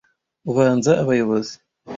Ubanza abayobozi